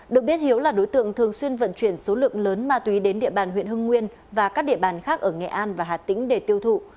được biết hiếu là đối tượng thường xuyên vận chuyển số lượng lớn ma túy đến địa bàn huyện hưng nguyên và các địa bàn khác ở nghệ an và hà tĩnh để tiêu thụ